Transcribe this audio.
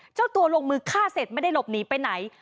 เจ้าตัวลงมือฆ่าเสร็จไม่ได้หลบหนีไปไหน